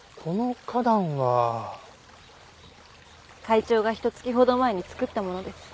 会長がひと月ほど前に作ったものです。